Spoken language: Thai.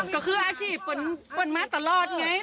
ก็คืออาชีพเปิ้ลมาตลอดไง